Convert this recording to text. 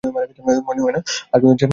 মনে হয়না আর কোনদিন জেনারেল হতে পারব।